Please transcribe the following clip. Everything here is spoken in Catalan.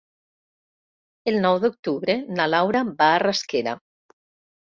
El nou d'octubre na Laura va a Rasquera.